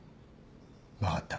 分かった。